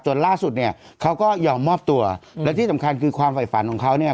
ล่าสุดเนี่ยเขาก็ยอมมอบตัวและที่สำคัญคือความฝ่ายฝันของเขาเนี่ย